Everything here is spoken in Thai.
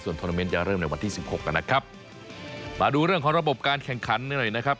โทรเมนต์จะเริ่มในวันที่สิบหกนะครับมาดูเรื่องของระบบการแข่งขันหน่อยนะครับ